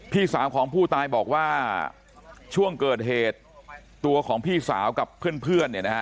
พี่สาวของผู้ตายบอกว่าช่วงเกิดเหตุตัวของพี่สาวกับเพื่อนเนี่ยนะฮะ